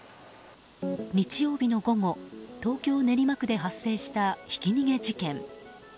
日曜日の午後東京・練馬区で発生したひき逃げ事件。